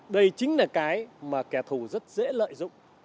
đây chính là cái mà kẻ thù rất dễ lợi dụng